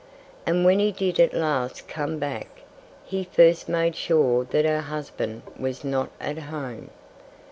And when he did at last come back, he first made sure that her husband was not at home.